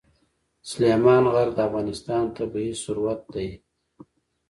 سلیمان غر د افغانستان طبعي ثروت دی.